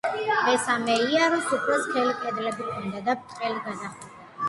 მესამე იარუსს უფრო სქელი კედლები ჰქონდა და ბრტყელი გადახურვა.